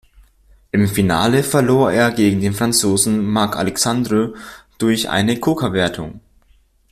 Im Finale verlor er gegen den Franzosen Marc Alexandre durch eine Koka-Wertung.